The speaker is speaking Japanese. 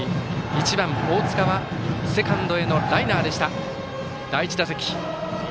１番、大塚はセカンドへのライナーでした第１打席。